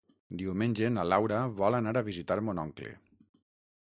Diumenge na Laura vol anar a visitar mon oncle.